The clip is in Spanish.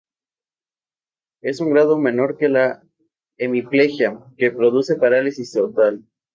Es un grado menor que la hemiplejia, que produce parálisis total.